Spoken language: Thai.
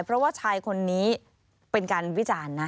เพราะว่าชายคนนี้เป็นการวิจารณ์นะ